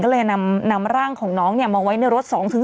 ก็เลยนำร่างของน้องมาไว้ในรถ๒๔